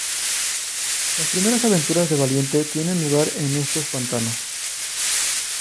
Las primeras aventuras de Valiente tienen lugar en estos pantanos.